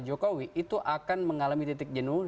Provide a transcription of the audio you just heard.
jokowi itu akan mengalami titik jenuh